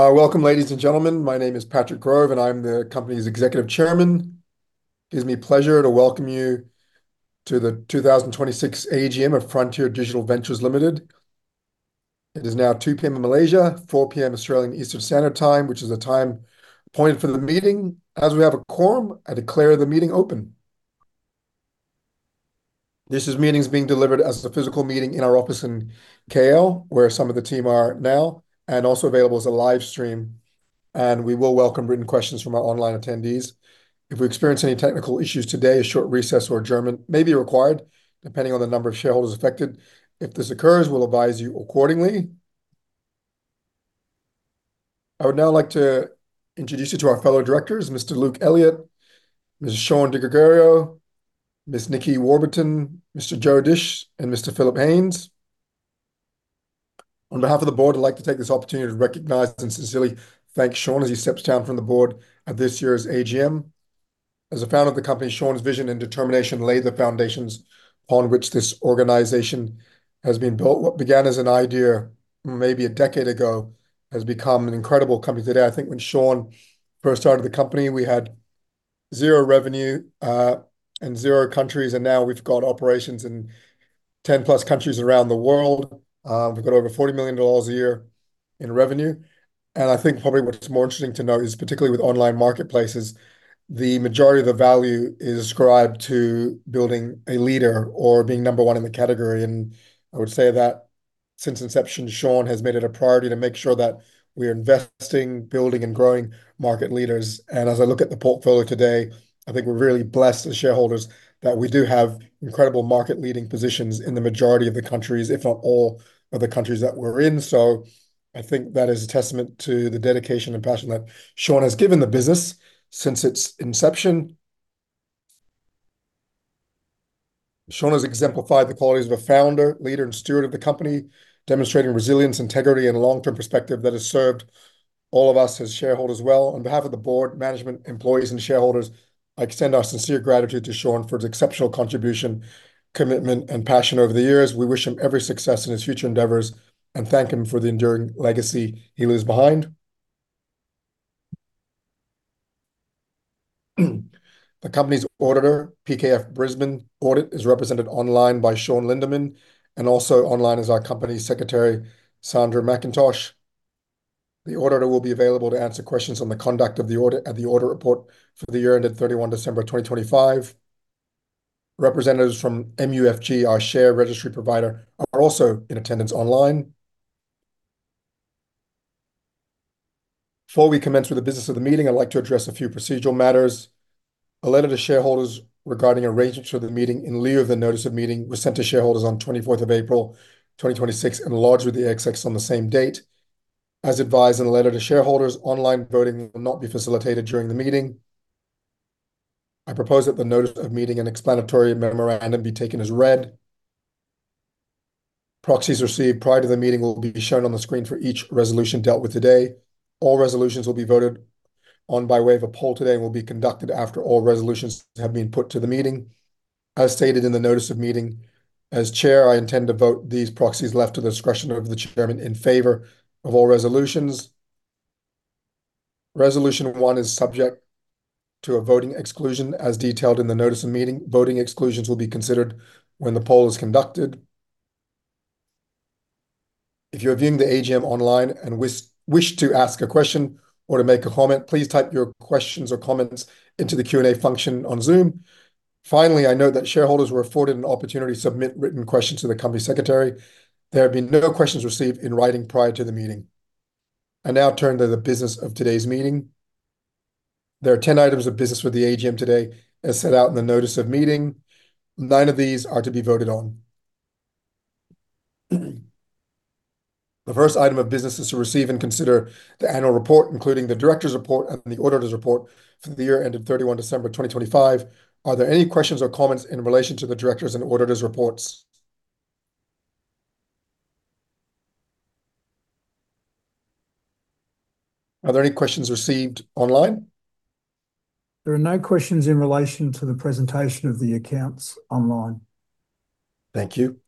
Welcome, ladies and gentlemen. My name is Patrick Grove, and I'm the company's Executive Chairman. It gives me pleasure to welcome you to the 2026 AGM of Frontier Digital Ventures Limited. It is now 2:00 P.M. in Malaysia, 4:00 P.M. Australian Eastern Standard Time, which is the time point for the meeting. As we have a quorum, I declare the meeting open. This meeting is being delivered as a physical meeting in our office in KL, where some of the team are now, and also available as a live stream, and we will welcome written questions from our online attendees. If we experience any technical issues today, a short recess or adjournment may be required, depending on the number of shareholders affected. If this occurs, we'll advise you accordingly. I would now like to introduce you to our fellow directors, Mr. Luke Elliott, Mr. Shaun Di Gregorio, Ms. Nikki Warburton, Mr. Joe Dische, and Mr. Phillip Hains. On behalf of the board, I'd like to take this opportunity to recognize and sincerely thank Shaun as he steps down from the board at this year's AGM. As a founder of the company, Shaun's vision and determination laid the foundations upon which this organization has been built. What began as an idea maybe a decade ago has become an incredible company today. I think when Shaun first started the company, we had zero revenue and zero countries. Now we've got operations in 10+ countries around the world. We've got over 40 million dollars a year in revenue. I think probably what's more interesting to note is, particularly with online marketplaces, the majority of the value is ascribed to building a leader or being number one in the category. I would say that since inception, Shaun has made it a priority to make sure that we're investing, building, and growing market leaders. As I look at the portfolio today, I think we're really blessed as shareholders that we do have incredible market-leading positions in the majority of the countries, if not all of the countries that we're in. I think that is a testament to the dedication and passion that Shaun has given the business since its inception. Shaun has exemplified the qualities of a founder, leader, and steward of the company, demonstrating resilience, integrity, and long-term perspective that has served all of us as shareholders well. On behalf of the board, management, employees, and shareholders, I extend our sincere gratitude to Shaun for his exceptional contribution, commitment, and passion over the years. We wish him every success in his future endeavors and thank him for the enduring legacy he leaves behind. The company's auditor, PKF Brisbane Audit, is represented online by Shaun Lindemann, and also online is our Company Secretary, Sandra McIntosh. The auditor will be available to answer questions on the conduct of the audit and the audit report for the year ended 31 December 2025. Representatives from MUFG, our share registry provider, are also in attendance online. Before we commence with the business of the meeting, I'd like to address a few procedural matters. A letter to shareholders regarding arrangements for the meeting in lieu of the notice of meeting was sent to shareholders on 24th of April 2026 and lodged with the ASX on the same date. As advised in the letter to shareholders, online voting will not be facilitated during the meeting. I propose that the notice of meeting and explanatory memorandum be taken as read. Proxies received prior to the meeting will be shown on the screen for each resolution dealt with today. All resolutions will be voted on by way of a poll today and will be conducted after all resolutions have been put to the meeting. As stated in the notice of meeting, as Chair, I intend to vote these proxies left to the discretion of the Chairman in favor of all resolutions. Resolution one is subject to a voting exclusion as detailed in the notice of meeting. Voting exclusions will be considered when the poll is conducted. If you're viewing the AGM online and wish to ask a question or to make a comment, please type your questions or comments into the Q&A function on Zoom. Finally, I note that shareholders were afforded an opportunity to submit written questions to the company secretary. There have been no questions received in writing prior to the meeting. I now turn to the business of today's meeting. There are 10 items of business for the AGM today, as set out in the notice of meeting. Nine of these are to be voted on. The first item of business is to receive and consider the annual report, including the directors' report and the auditors' report for the year ended 31 December 2025. Are there any questions or comments in relation to the directors' and auditors' reports? Are there any questions received online? There are no questions in relation to the presentation of the accounts online. Thank you.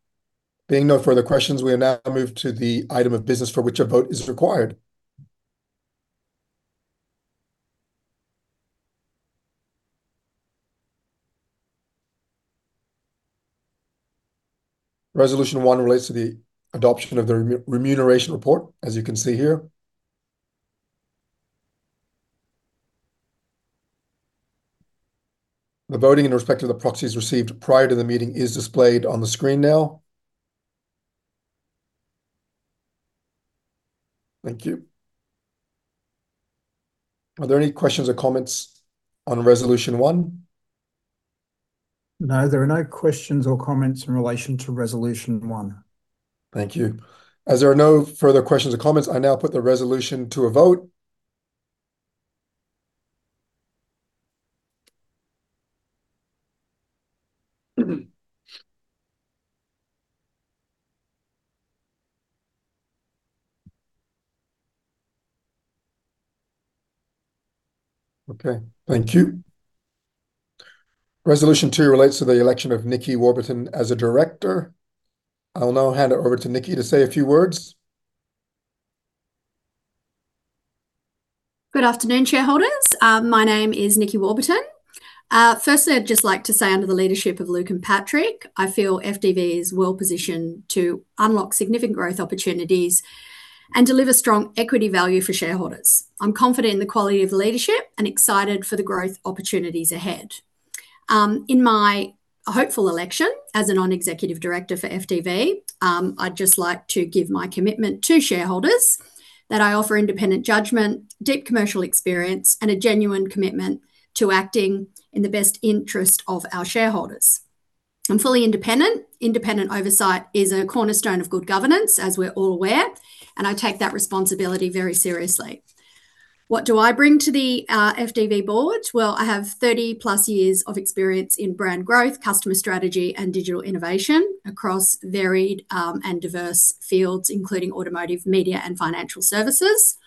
Being no further questions, we now move to the item of business for which a vote is required. Resolution one relates to the adoption of the remuneration report, as you can see here. The voting in respect of the proxies received prior to the meeting is displayed on the screen now. Thank you. Are there any questions or comments on resolution one? No, there are no questions or comments in relation to resolution one. Thank you. As there are no further questions or comments, I now put the resolution to a vote. Okay. Thank you. Resolution two relates to the election of Nikki Warburton as a director. I'll now hand it over to Nikki to say a few words. Good afternoon, shareholders. My name is Nikki Warburton. Firstly, I'd just like to say under the leadership of Luke and Patrick, I feel FDV is well-positioned to unlock significant growth opportunities and deliver strong equity value for shareholders. I'm confident in the quality of leadership and excited for the growth opportunities ahead. In my hopeful election as a non-executive director for FDV, I'd just like to give my commitment to shareholders that I offer independent judgment, deep commercial experience, and a genuine commitment to acting in the best interest of our shareholders. I'm fully independent. Independent oversight is a cornerstone of good governance, as we're all aware, and I take that responsibility very seriously. What do I bring to the FDV board? I have 30-plus years of experience in brand growth, customer strategy, and digital innovation across varied and diverse fields, including automotive, media, and financial services,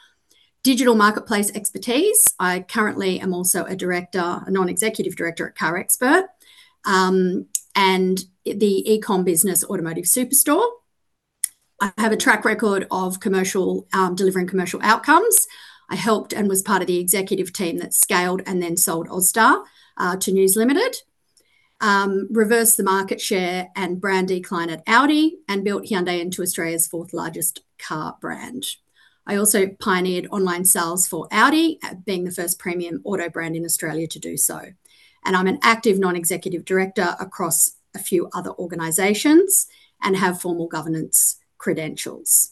digital marketplace expertise. I currently am also a non-executive director at CarExpert, and the e-com business Automotive Superstore. I have a track record of delivering commercial outcomes. I helped and was part of the executive team that scaled and then sold Austar to News Limited, reversed the market share and brand decline at Audi, and built Hyundai into Australia's fourth largest car brand. I also pioneered online sales for Audi, being the first premium auto brand in Australia to do so. I'm an active non-executive director across a few other organizations and have formal governance credentials.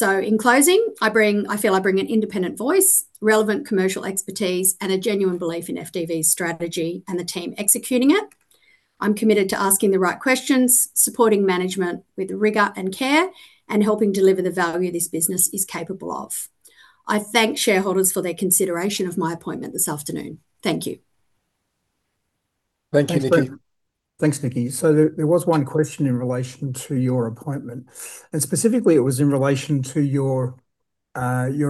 In closing, I feel I bring an independent voice, relevant commercial expertise, and a genuine belief in FDV's strategy and the team executing it. I'm committed to asking the right questions, supporting management with rigor and care, and helping deliver the value this business is capable of. I thank shareholders for their consideration of my appointment this afternoon. Thank you. Thank you, Nikki. Thanks, Nikki. There was one question in relation to your appointment. Specifically, it was in relation to your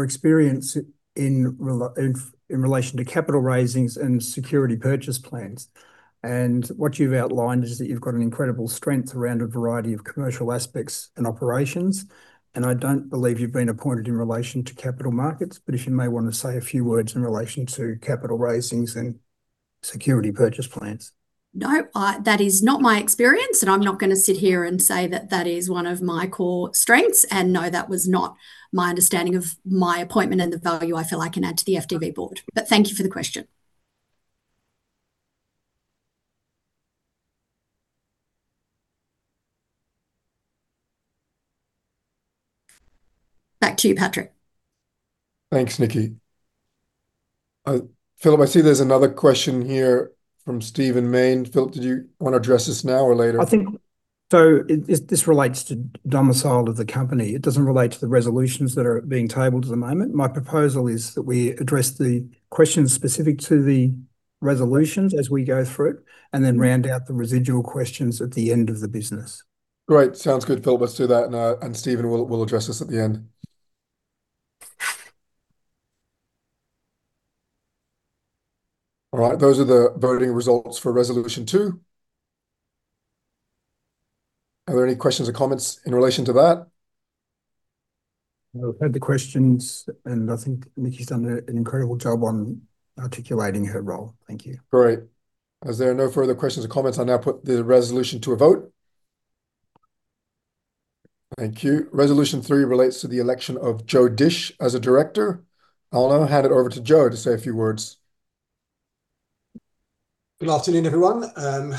experience in relation to capital raisings and security purchase plans. What you've outlined is that you've got an incredible strength around a variety of commercial aspects and operations, and I don't believe you've been appointed in relation to capital markets, but if you may want to say a few words in relation to capital raisings and security purchase plans. No, that is not my experience, and I'm not going to sit here and say that that is one of my core strengths, and no, that was not my understanding of my appointment and the value I feel I can add to the FDV board, but thank you for the question. Back to you, Patrick. Thanks, Nikki. Phillip, I see there's another question here from Steven Mayne. Phillip, did you want to address this now or later? I think, this relates to domicile of the company. It doesn't relate to the resolutions that are being tabled at the moment. My proposal is that we address the questions specific to the resolutions as we go through it, round out the residual questions at the end of the business. Great. Sounds good, Phillip. Let's do that, Steven, we'll address this at the end. All right. Those are the voting results for resolution two. Are there any questions or comments in relation to that? We've heard the questions, and I think Nikki's done an incredible job on articulating her role. Thank you. Great. As there are no further questions or comments, I now put the resolution to a vote. Thank you. Resolution three relates to the election of Joe Dische as a director. I'll now hand it over to Joe to say a few words. Good afternoon, everyone. I'd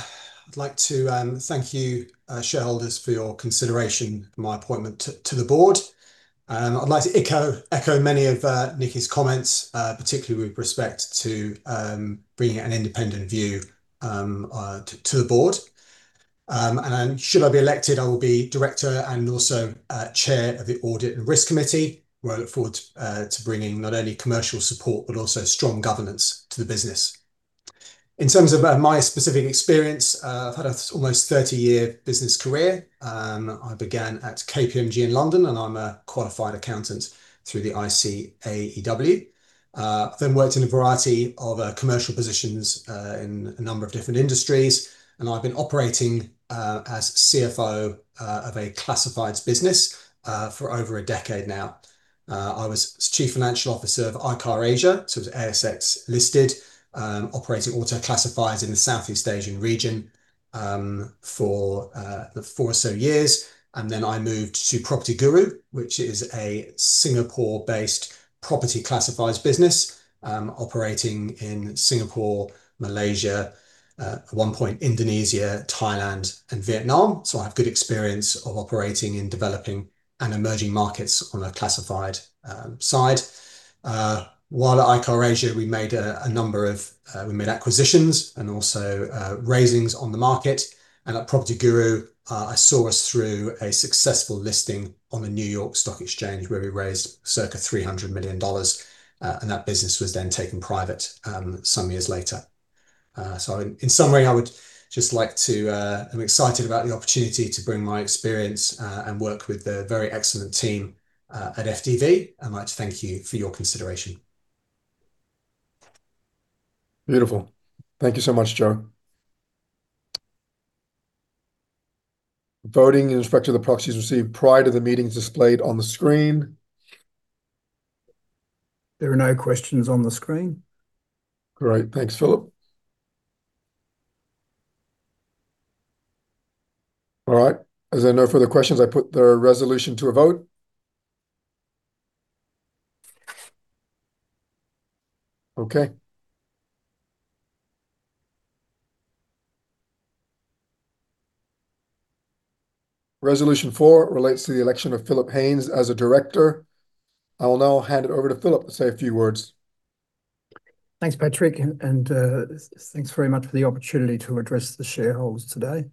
like to thank you, shareholders, for your consideration for my appointment to the board. I'd like to echo many of Nikki's comments, particularly with respect to bringing an independent view to the board. Should I be elected, I will be director and also Chair of the Audit & Risk Committee, where I look forward to bringing not only commercial support, but also strong governance to the business. In terms of my specific experience, I've had an almost 30-year business career. I began at KPMG in London, and I'm a qualified accountant through the ICAEW. Worked in a variety of commercial positions in a number of different industries, and I've been operating as CFO of a classifieds business for over a decade now. I was CFO of iCar Asia, so it was ASX-listed, operating auto classifieds in the Southeast Asian region for four or so years. I moved to PropertyGuru, which is a Singapore-based property classifieds business operating in Singapore, Malaysia, at one point Indonesia, Thailand, and Vietnam. I have good experience of operating in developing and emerging markets on a classified side. While at iCar Asia, we made acquisitions and also raisings on the market. At PropertyGuru, I saw us through a successful listing on the New York Stock Exchange where we raised circa $300 million, and that business was then taken private some years later. In summary, I'm excited about the opportunity to bring my experience and work with the very excellent team at FDV. I'd like to thank you for your consideration. Beautiful. Thank you so much, Joe. Voting in respect to the proxies received prior to the meeting is displayed on the screen. There are no questions on the screen. Great. Thanks, Phillip. All right. As there are no further questions, I put the resolution to a vote. Okay. Resolution four relates to the election of Phillip Hains as a director. I will now hand it over to Phillip to say a few words. Thanks, Patrick, thanks very much for the opportunity to address the shareholders today.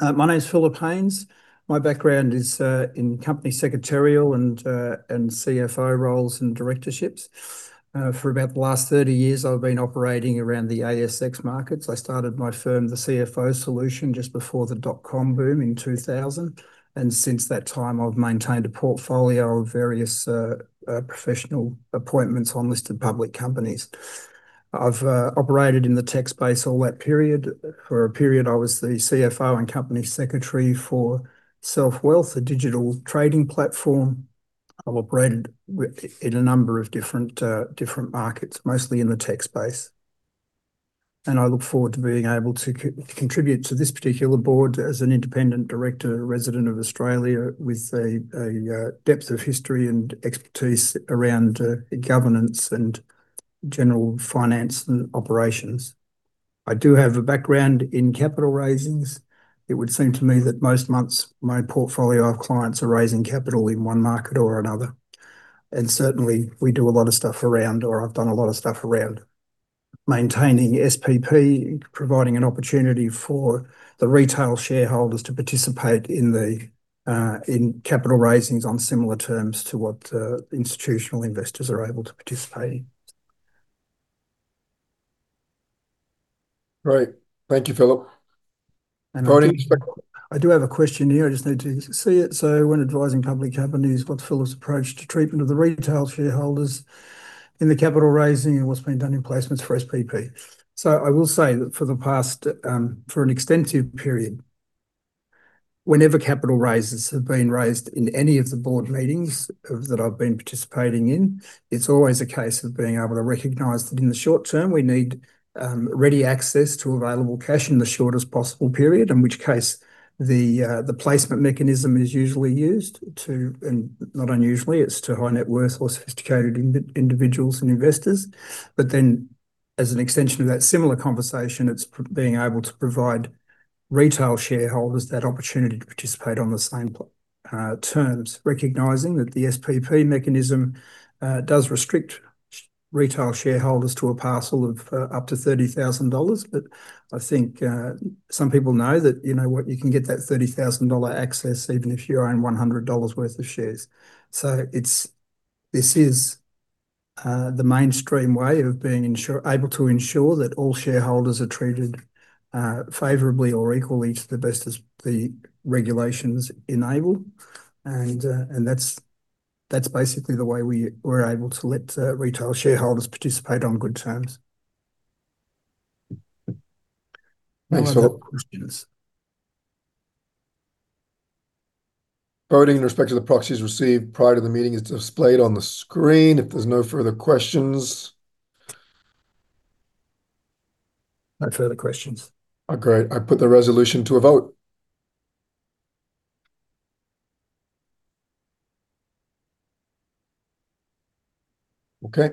My name's Phillip Hains. My background is in company secretarial and CFO roles and directorships. For about the last 30 years, I've been operating around the ASX markets. I started my firm, The CFO Solution, just before the dot-com boom in 2000. Since that time, I've maintained a portfolio of various professional appointments on listed public companies. I've operated in the tech space all that period. For a period, I was the CFO and company secretary for SelfWealth, a digital trading platform. I've operated in a number of different markets, mostly in the tech space. I look forward to being able to contribute to this particular board as an independent director, a resident of Australia with a depth of history and expertise around governance and general finance and operations. I do have a background in capital raisings. It would seem to me that most months, my portfolio of clients are raising capital in one market or another. Certainly, we do a lot of stuff around, or I've done a lot of stuff around maintaining SPP, providing an opportunity for the retail shareholders to participate in capital raisings on similar terms to what institutional investors are able to participate in. Great. Thank you, Phillip. Voting in respect- I do have a question here. I just need to see it. When advising public companies, what's Phillip's approach to treatment of the retail shareholders in the capital raising and what's being done in placements for SPP? I will say that for an extensive period, whenever capital raises have been raised in any of the board meetings that I've been participating in, it's always a case of being able to recognize that in the short term, we need ready access to available cash in the shortest possible period. In which case, the placement mechanism is usually used to, and not unusually, it's to high net worth or sophisticated individuals and investors. As an extension of that similar conversation, it's being able to provide retail shareholders that opportunity to participate on the same terms, recognizing that the SPP mechanism does restrict retail shareholders to a parcel of up to 30,000 dollars. I think some people know that, you know what, you can get that 30,000 dollar access even if you own 100 dollars worth of shares. This is the mainstream way of being able to ensure that all shareholders are treated favorably or equally to the best as the regulations enable. That's basically the way we're able to let retail shareholders participate on good terms. Thanks, Phillip. No other questions. Voting in respect to the proxies received prior to the meeting is displayed on the screen. If there's no further questions? No further questions. Great. I put the resolution to a vote. Okay.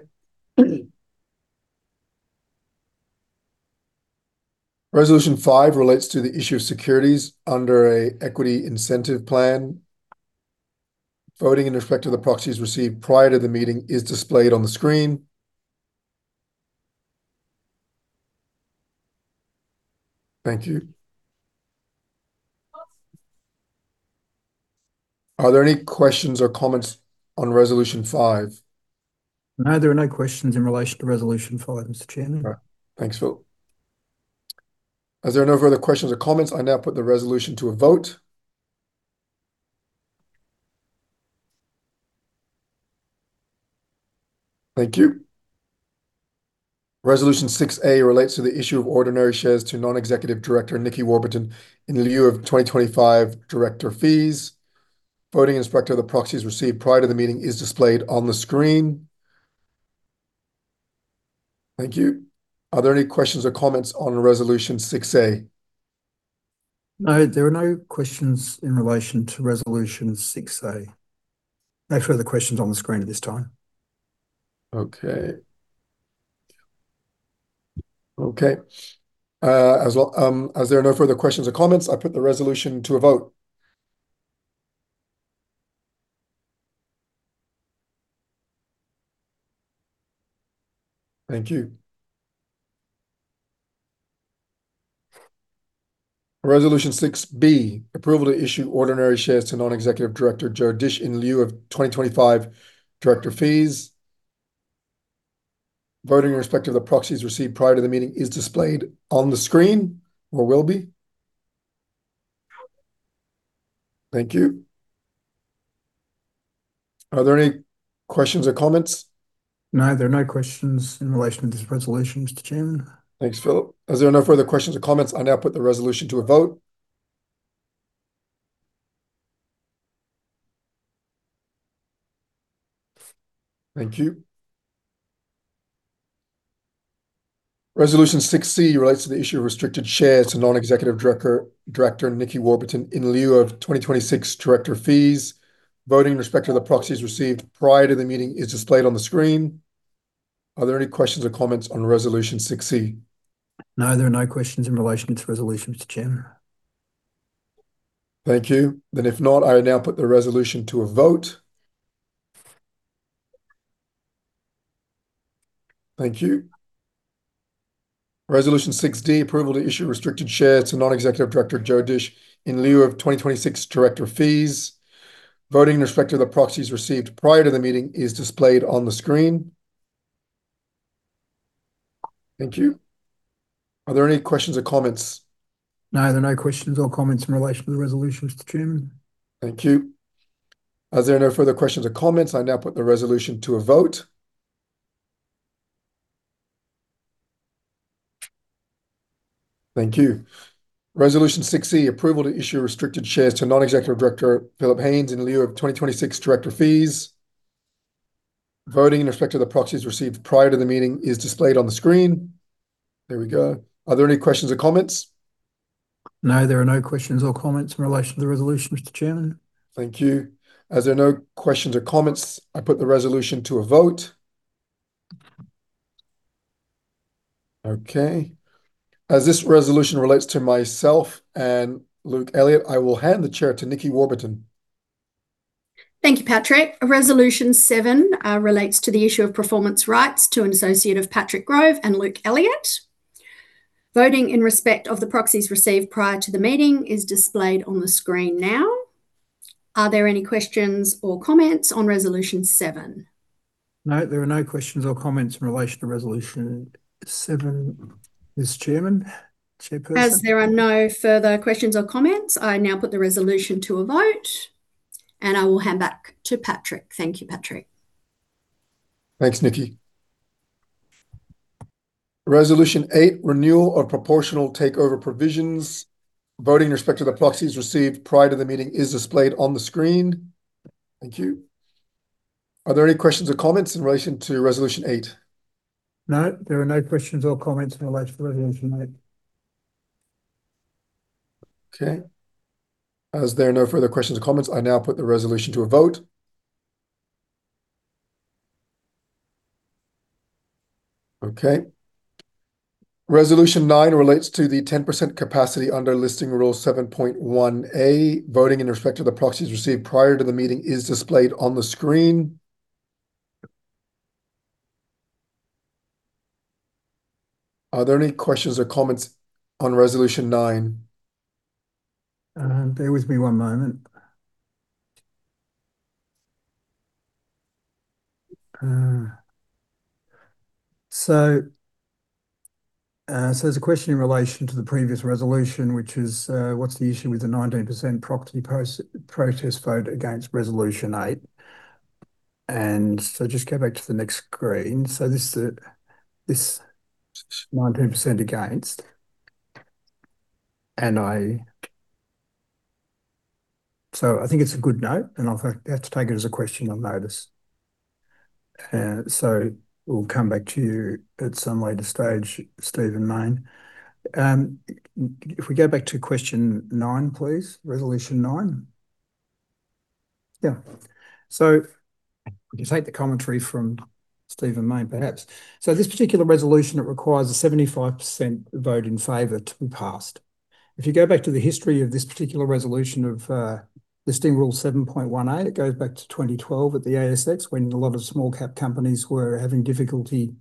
Resolution five relates to the issue of securities under an equity incentive plan. Voting in respect to the proxies received prior to the meeting is displayed on the screen. Thank you. Are there any questions or comments on resolution five? No, there are no questions in relation to resolution five, Mr. Chairman. All right. Thanks, Phil. There are no further questions or comments, I now put the resolution to a vote. Thank you. Resolution 6A relates to the issue of ordinary shares to non-executive director Nikki Warburton in lieu of 2025 director fees. Voting in respect to the proxies received prior to the meeting is displayed on the screen. Thank you. Are there any questions or comments on resolution 6A? No, there are no questions in relation to resolution 6A. No further questions on the screen at this time. Okay. As there are no further questions or comments, I put the resolution to a vote. Thank you. Resolution 6B, approval to issue ordinary shares to Non-Executive Director, Joe Dische, in lieu of 2025 director fees. Voting in respect of the proxies received prior to the meeting is displayed on the screen, or will be. Thank you. Are there any questions or comments? No, there are no questions in relation to this resolution, Mr. Chairman. Thanks, Phillip. As there are no further questions or comments, I now put the resolution to a vote. Thank you. Resolution 6C relates to the issue of restricted shares to Non-Executive Director Nikki Warburton in lieu of 2026 director fees. Voting in respect of the proxies received prior to the meeting is displayed on the screen. Are there any questions or comments on resolution 6C? No, there are no questions in relation to the resolution, Mr. Chairman. Thank you. If not, I now put the resolution to a vote. Thank you. Resolution 6D, approval to issue a restricted share to non-executive director Joe Dische in lieu of 2026 director fees. Voting in respect of the proxies received prior to the meeting is displayed on the screen. Thank you. Are there any questions or comments? No, there are no questions or comments in relation to the resolution, Mr. Chairman. Thank you. As there are no further questions or comments, I now put the resolution to a vote. Thank you. Resolution 6E, approval to issue restricted shares to non-executive director Phillip Hains in lieu of 2026 director fees. Voting in respect of the proxies received prior to the meeting is displayed on the screen. There we go. Are there any questions or comments? No, there are no questions or comments in relation to the resolution, Mr. Chairman. Thank you. As there are no questions or comments, I put the resolution to a vote. Okay. As this resolution relates to myself and Luke Elliott, I will hand the chair to Nikki Warburton. Thank you, Patrick. Resolution seven relates to the issue of performance rights to an associate of Patrick Grove and Luke Elliott. Voting in respect of the proxies received prior to the meeting is displayed on the screen now. Are there any questions or comments on resolution seven? No, there are no questions or comments in relation to resolution seven, Ms. Chairman. Chairperson. There are no further questions or comments, I now put the resolution to a vote, and I will hand back to Patrick. Thank you, Patrick. Thanks, Nikki. Resolution eight, renewal of proportional takeover provisions. Voting in respect of the proxies received prior to the meeting is displayed on the screen. Thank you. Are there any questions or comments in relation to resolution eight? No, there are no questions or comments in relation to resolution eight. Okay. As there are no further questions or comments, I now put the resolution to a vote. Okay. Resolution nine relates to the 10% capacity under Listing Rule 7.1A. Voting in respect of the proxies received prior to the meeting is displayed on the screen. Are there any questions or comments on resolution nine? Bear with me one moment. There's a question in relation to the previous resolution, which is what's the issue with the 19% proxy protest vote against resolution eight? Just go back to the next screen. This 19% against, I think it's a good note, and I have to take it as a question on notice. We'll come back to you at some later stage, Steven Mayne. If we go back to question nine, please, resolution nine. Yeah. We can take the commentary from Steven Mayne perhaps. This particular resolution, it requires a 75% vote in favor to be passed. If you go back to the history of this particular resolution of Listing Rule 7.1A, it goes back to 2012 at the ASX when a lot of small cap companies were having difficulty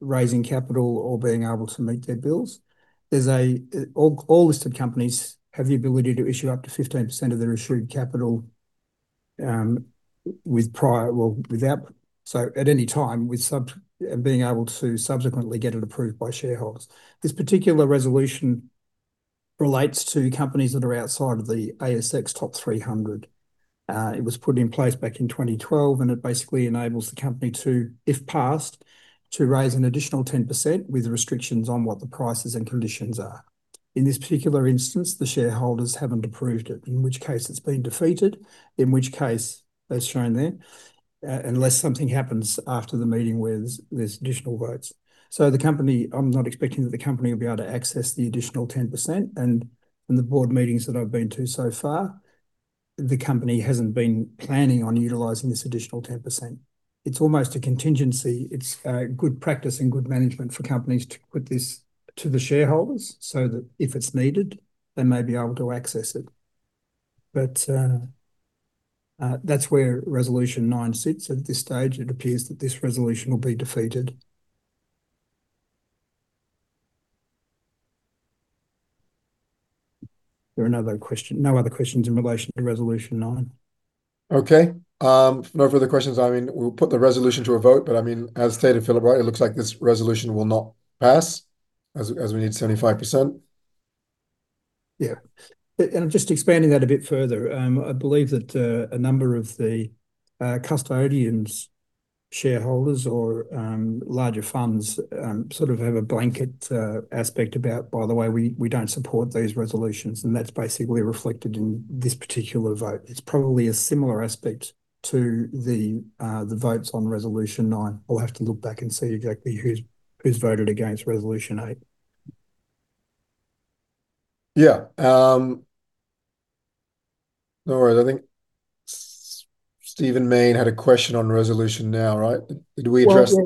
raising capital or being able to meet their bills. All listed companies have the ability to issue up to 15% of their issued capital with prior rule at any time, and being able to subsequently get it approved by shareholders. This particular resolution relates to companies that are outside of the ASX Top 300. It was put in place back in 2012, and it basically enables the company to, if passed, to raise an additional 10% with restrictions on what the prices and conditions are. In this particular instance, the shareholders haven't approved it, in which case it's been defeated, in which case, as shown there, unless something happens after the meeting where there's additional votes. I'm not expecting that the company will be able to access the additional 10%, and the board meetings that I've been to so far, the company hasn't been planning on utilizing this additional 10%. It's almost a contingency. It's good practice and good management for companies to put this to the shareholders so that if it's needed, they may be able to access it. That's where resolution nine sits. At this stage, it appears that this resolution will be defeated. There are no other questions in relation to resolution nine? Okay. If no further questions, we will put the resolution to a vote. As stated, Phillip, it looks like this resolution will not pass, as we need 75%. Yeah. Just expanding that a bit further, I believe that a number of the custodians, shareholders, or larger funds sort of have a blanket aspect about, "By the way, we don't support these resolutions," and that's basically reflected in this particular vote. It's probably a similar aspect to the votes on resolution nine. I'll have to look back and see exactly who's voted against resolution eight. Yeah. No worries. I think Steven Main had a question on resolution now, right? You can see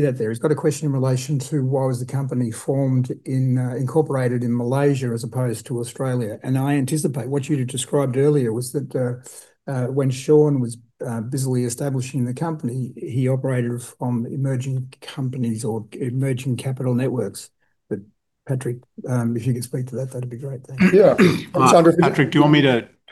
that there. He's got a question in relation to why was the company incorporated in Malaysia as opposed to Australia. I anticipate what you described earlier was that when Shaun was busily establishing the company, he operated from emerging companies or emerging capital networks. Patrick, if you could speak to that'd be great. Thanks. Yeah. Patrick,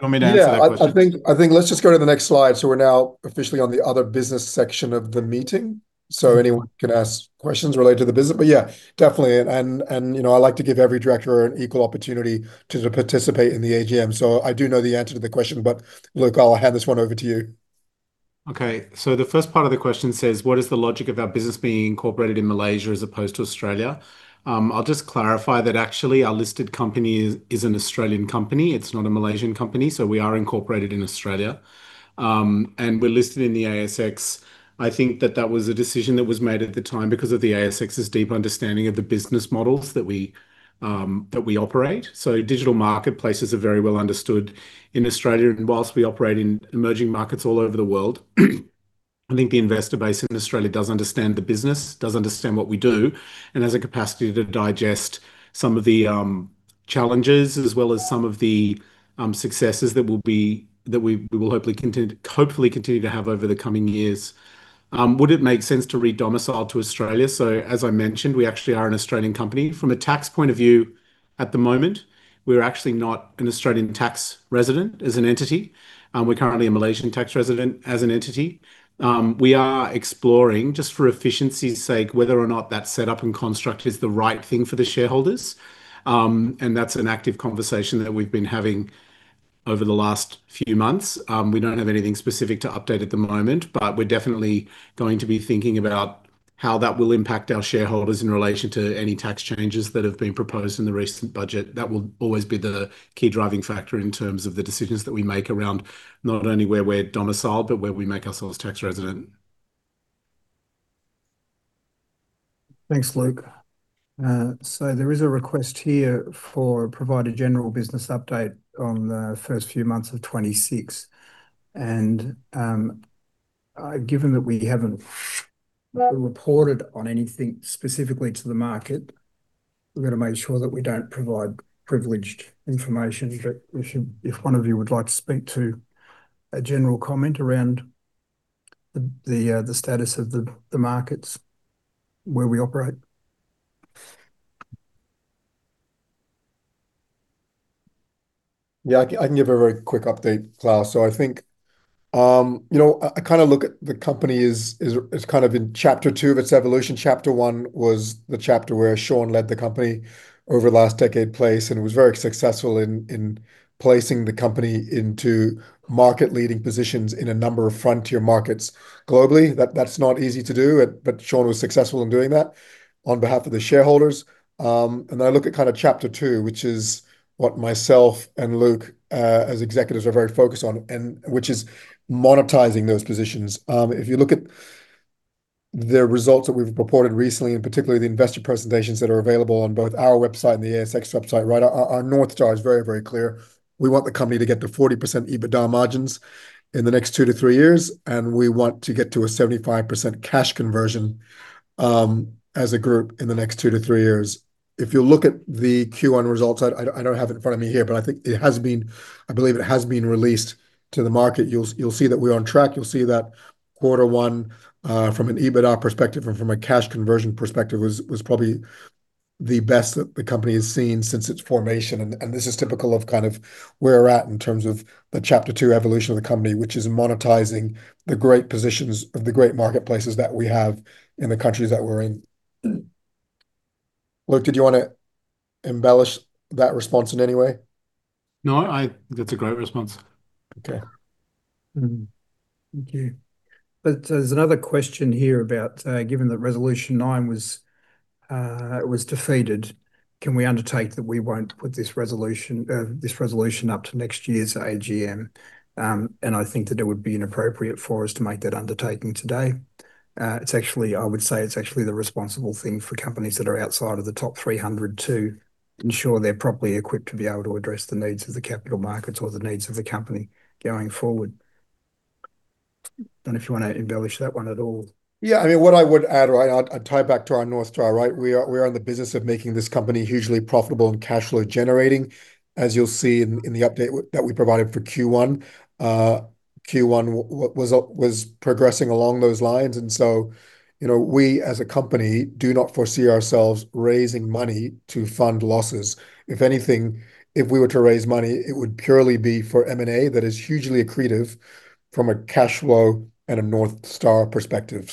do you want me to answer that question? Yeah, I think let's just go to the next slide. We're now officially on the other business section of the meeting, so anyone can ask questions related to the business. Yeah, definitely. I like to give every director an equal opportunity to participate in the AGM. I do know the answer to the question, but Luke, I'll hand this one over to you. The first part of the question says, what is the logic of our business being incorporated in Malaysia as opposed to Australia? I'll just clarify that actually our listed company is an Australian company. It's not a Malaysian company. We are incorporated in Australia, and we're listed in the ASX. I think that that was a decision that was made at the time because of the ASX's deep understanding of the business models that we operate. Digital marketplaces are very well understood in Australia, and whilst we operate in emerging markets all over the world, I think the investor base in Australia does understand the business, does understand what we do, and has a capacity to digest some of the challenges as well as some of the successes that we will hopefully continue to have over the coming years. Would it make sense to re-domicile to Australia? As I mentioned, we actually are an Australian company. From a tax point of view, at the moment, we're actually not an Australian tax resident as an entity. We're currently a Malaysian tax resident as an entity. We are exploring, just for efficiency's sake, whether or not that set-up and construct is the right thing for the shareholders, and that's an active conversation that we've been having over the last few months. We don't have anything specific to update at the moment, but we're definitely going to be thinking about how that will impact our shareholders in relation to any tax changes that have been proposed in the recent budget. That will always be the key driving factor in terms of the decisions that we make around not only where we're domiciled, but where we make ourselves tax resident. Thanks, Luke. There is a request here for provide a general business update on the first few months of 2026. Given that we haven't reported on anything specifically to the market, we've got to make sure that we don't provide privileged information. If one of you would like to speak to a general comment around the status of the markets where we operate. Yeah, I can give a very quick update, Klaus. I think I kind of look at the company as kind of in chapter two of its evolution. Chapter one was the chapter where Shaun led the company over the last decade place and was very successful in placing the company into market-leading positions in a number of frontier markets globally. That's not easy to do, but Shaun was successful in doing that on behalf of the shareholders. I look at kind of chapter two, which is what myself and Luke, as executives, are very focused on, and which is monetizing those positions. If you look at the results that we've reported recently, and particularly the investor presentations that are available on both our website and the ASX website, our North Star is very, very clear. We want the company to get to 40% EBITDA margins in the next two to three years, and we want to get to a 75% cash conversion as a group in the next two to three years. If you look at the Q1 results, I don't have it in front of me here, but I believe it has been released to the market. You'll see that we're on track. You'll see that quarter one, from an EBITDA perspective and from a cash conversion perspective, was probably the best that the company has seen since its formation. This is typical of kind of where we're at in terms of the chapter two evolution of the company, which is monetizing the great positions of the great marketplaces that we have in the countries that we're in. Luke, did you want to embellish that response in any way? No, I think that's a great response. Okay. Thank you. There's another question here about, given that resolution nine was defeated, can we undertake that we won't put this resolution up to next year's AGM? I think that it would be inappropriate for us to make that undertaking today. I would say it's actually the responsible thing for companies that are outside of the Top 300 to ensure they're properly equipped to be able to address the needs of the capital markets or the needs of the company going forward. Don't know if you want to embellish that one at all. Yeah, what I would add, I'd tie it back to our North Star. We are in the business of making this company hugely profitable and cash flow generating, as you'll see in the update that we provided for Q1. Q1 was progressing along those lines, and so we as a company do not foresee ourselves raising money to fund losses. If anything, if we were to raise money, it would purely be for M&A that is hugely accretive from a cash flow and a North Star perspective.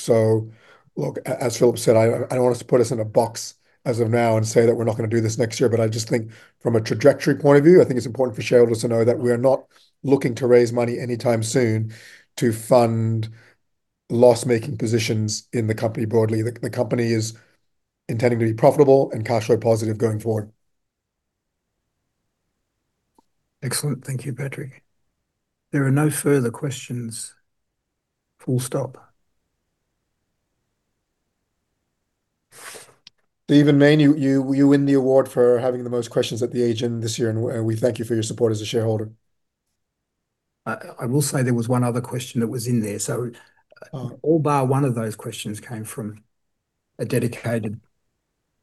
Look, as Phillip said, I don't want us to put us in a box as of now and say that we're not going to do this next year. I just think from a trajectory point of view, I think it's important for shareholders to know that we are not looking to raise money anytime soon to fund loss-making positions in the company broadly. The company is intending to be profitable and cash flow positive going forward. Excellent. Thank you, Patrick. There are no further questions, full stop. Steven Main, you win the award for having the most questions at the AGM this year, and we thank you for your support as a shareholder. I will say there was one other question that was in there. All bar one of those questions came from a dedicated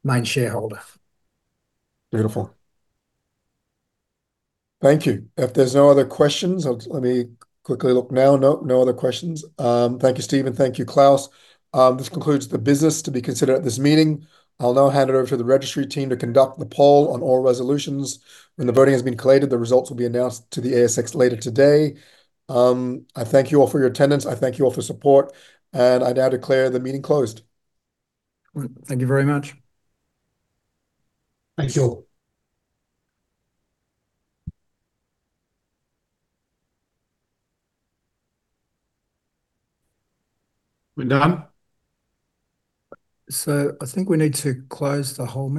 Main shareholder. Beautiful. Thank you. If there's no other questions, let me quickly look now. No other questions. Thank you, Steven. Thank you, Klaus. This concludes the business to be considered at this meeting. I'll now hand it over to the registry team to conduct the poll on all resolutions. When the voting has been collated, the results will be announced to the ASX later today. I thank you all for your attendance, I thank you all for support, and I now declare the meeting closed. Excellent. Thank you very much. Thanks, all. We're done? I think we need to close the whole-